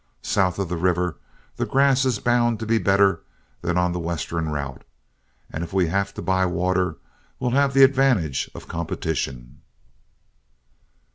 South of the river the grass is bound to be better than on the western route, and if we have to buy water, we'll have the advantage of competition."